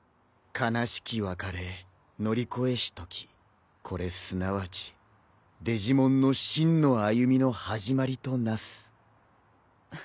悲しき別れ乗り越えしときこれすなわちデジモンの真の歩みの始まりとなす。